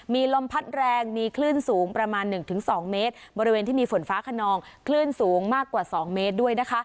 มีลมพัดแรงมีคลื่นสูงประมาณหนึ่งถึงสองเมตรบริเวณที่มีฝนฟ้าขนองคลื่นสูงมากกว่า๒เมตรด้วยนะคะ